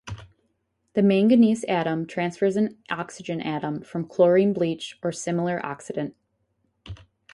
The manganese atom transfers an oxygen atom from chlorine bleach or similar oxidant.